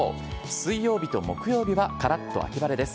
水曜日と木曜日はからっと秋晴れです。